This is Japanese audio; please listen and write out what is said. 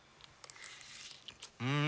うん！